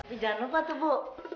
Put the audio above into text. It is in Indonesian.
ini jangan lupa tuh bu